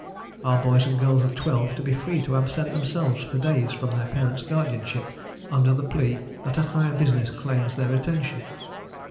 Are boys and girls of twelve to be free to absent themselves for days from their parents' guardianship under the plea that a higher business claims their attention?